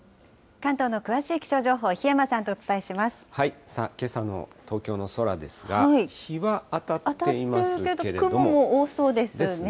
関東の詳しい気象情報、さあ、けさの東京の空ですが、日は当たっていますけれども。ですね。